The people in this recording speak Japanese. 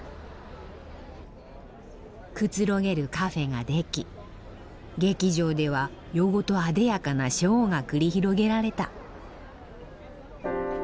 くつろげるカフェができ劇場では夜ごとあでやかなショーが繰り広げられた。